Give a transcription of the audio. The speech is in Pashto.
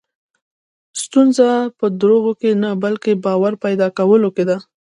ستونزه په دروغو کې نه، بلکې باور پیدا کولو کې ده.